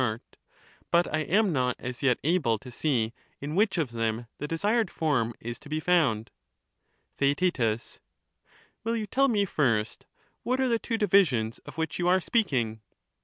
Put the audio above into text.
art, but I am not as yet able to see in whicfi "orTheffl"Qie Two kinds oSsired form is to be found. SonT^" Theaet Will you tell me first what are the two divisions of There is which you are speaking